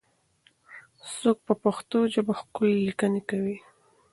څوک په پښتو ژبه ښکلې لیکنې کوي؟